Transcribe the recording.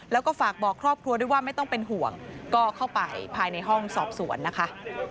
แล้วก็ฝากบอกครอบครัวด้วยว่าไม่ต้องเป็นห่วงก็เข้าไปภายในห้องสอบสวนนะคะ